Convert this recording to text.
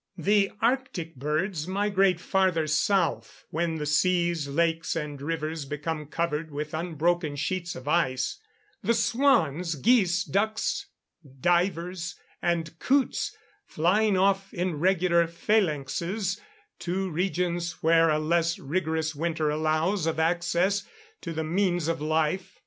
The arctic birds migrate farther south, when the seas, lakes, and rivers become covered with unbroken sheets of ice; the swans, geese, ducks, divers, and coots flying off in regular phalanxes to regions where a less rigorous winter allows of access to the means of life.